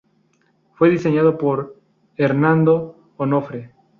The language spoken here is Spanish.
Fue diseñado por Hernando Onofre.